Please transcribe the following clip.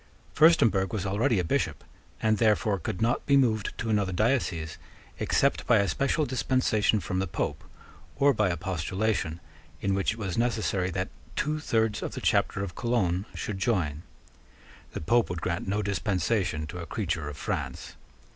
Furstemburg was already a Bishop, and therefore could not be moved to another diocese except by a special dispensation from the Pope, or by a postulation, in which it was necessary that two thirds of the Chapter of Cologne should join. The Pope would grant no dispensation to a creature of France.